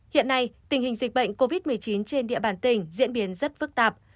hiện nay tình hình dịch bệnh covid một mươi chín trên địa bàn tỉnh diễn biến rất phức tạp